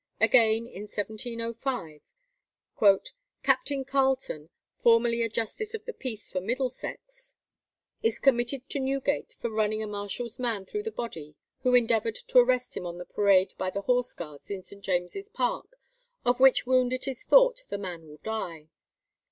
Again, in 1705, "Captain Carlton, formerly a justice of the peace for Middlesex, is committed to Newgate for running a marshal's man through the body who endeavoured to arrest him on the parade by the Horse Guards in St. James's Park, of which wound it is thought the man will die."